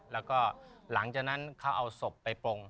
แล้วก็หลังจากนั้นเขาเอาศพไปปลง